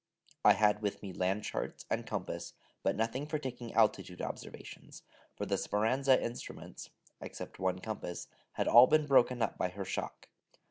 I had with me land charts and compass, but nothing for taking altitude observations: for the Speranza instruments, except one compass, had all been broken up by her shock.